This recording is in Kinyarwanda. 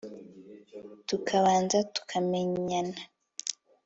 tukabanza tukamenyana